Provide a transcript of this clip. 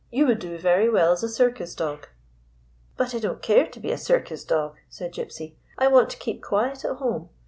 You would do very well as a circus dog." " But I don't care to be a circus dog," said Gypsy. " I want to keep quiet at home.